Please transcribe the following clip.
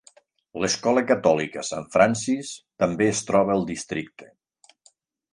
L'escola catòlica Saint Francis també es troba al districte.